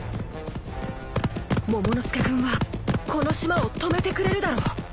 モモの助君はこの島を止めてくれるだろう